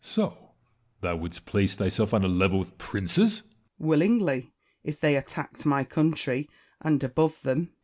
Edward. So, thou wouldst place thyself on a level with princes ! Wallace. Willingly, if they attacked my country ; and above them.